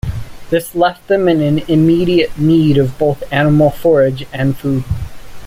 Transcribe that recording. This left them in immediate need of both animal forage and food.